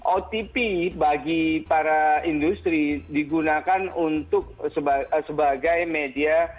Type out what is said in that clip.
otp bagi para industri digunakan untuk sebagai media